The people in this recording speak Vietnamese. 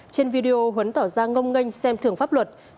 trên video huấn tỏ ra ngông nganh xem thưởng pháp luật